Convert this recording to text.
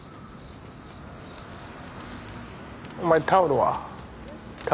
お前タオルは？